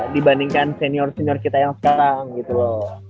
dibandingkan senior senior kita yang sekarang gitu loh